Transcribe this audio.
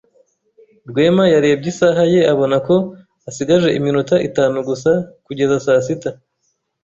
Rwema yarebye isaha ye abona ko asigaje iminota itanu gusa kugeza saa sita.